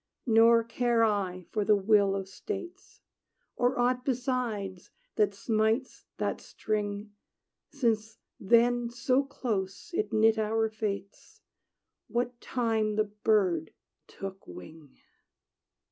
Nor care I for the will of states. Or aught besides, that smites that string, Since then so close it knit our fates, What time the bird took wing!